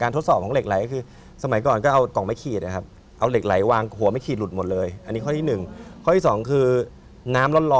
ตอนแรกเค้าจะฝั่งผม๗เล่มที่หน้าอก